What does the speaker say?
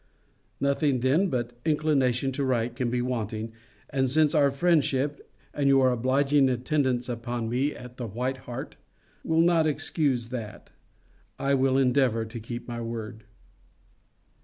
Nothing, then, but inclination to write can be wanting; and since our friendship, and your obliging attendance upon me at the White Hart, will not excuse that, I will endeavour to keep my word.